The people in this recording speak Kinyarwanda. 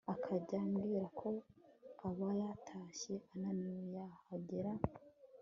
akajyambwira ko aba yatashye ananiwe yahagera